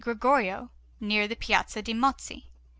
Gregorio near the Piazza de' Mozzi.